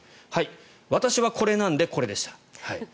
私はこれなので、これでした。